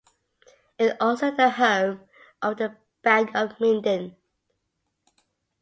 It also the home of the Bank of Minden.